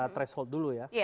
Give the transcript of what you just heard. preshold dulu ya